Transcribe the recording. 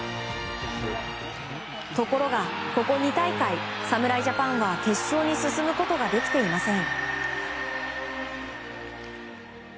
ところがここ２大会、侍ジャパンは決勝に進むことができていません。